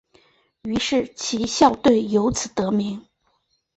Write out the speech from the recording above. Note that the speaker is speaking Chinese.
于是其校队由此得名。